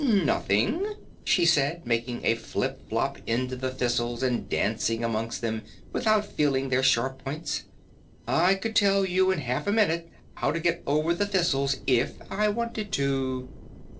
"Nothing," she said, making a flip flop into the thistles and dancing among them without feeling their sharp points. "I could tell you in half a minute how to get over the thistles if I wanted to."